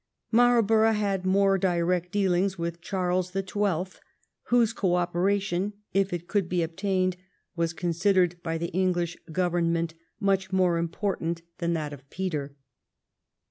Marlborough had more direct deahngs with Charles the Twelfth, whose co operation, if it could be obtained, was considered by the English Government much more important than that of Peter.